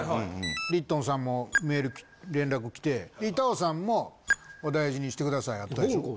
リットンさんもメール連絡きて板尾さんも「お大事にしてください」あったでしょ。